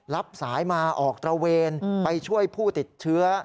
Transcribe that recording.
รับสายมาออกตระเวนไปช่วยผู้ติดเชื้อ